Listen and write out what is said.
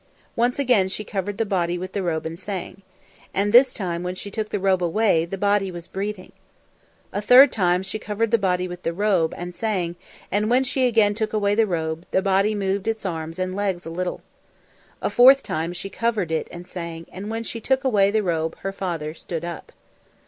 Once again she covered the body with the robe and sang, and this time when she took the robe away the body was breathing. A third time she covered the body with the robe and sang, and when she again took away the robe, the body moved its arms and legs a little. A fourth time she covered it and sang, and when she took away the robe her father stood up.